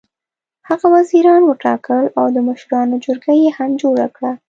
هغه وزیران وټاکل او د مشرانو جرګه یې هم جوړه کړه.